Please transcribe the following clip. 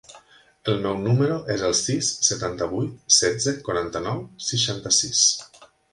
El meu número es el sis, setanta-vuit, setze, quaranta-nou, seixanta-sis.